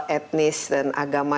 etnis dan agama